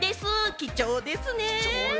貴重ですね！